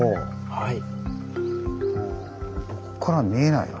はい。